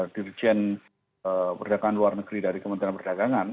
dirjen perdagangan luar negeri dari kementerian perdagangan